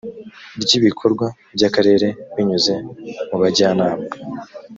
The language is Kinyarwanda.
ry ibikorwa by akarere binyuze mu bajyanama